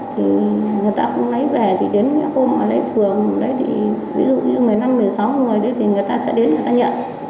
thì người ta không lấy về thì đến không mà lấy thường lấy thì ví dụ như một mươi năm một mươi sáu người đấy thì người ta sẽ đến người ta nhận